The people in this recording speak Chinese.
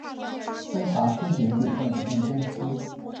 东华书局股份有限公司